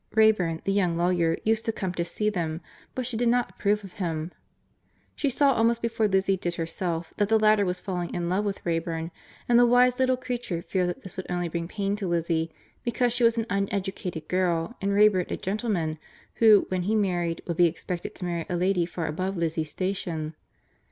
Wrayburn, the young lawyer, used to come to see them, but she did not approve of him. She saw almost before Lizzie did herself that the latter was falling in love with Wrayburn, and the wise little creature feared that this would only bring pain to Lizzie, because she was an uneducated girl and Wrayburn a gentleman, who, when he married, would be expected to marry a lady far above Lizzie's station.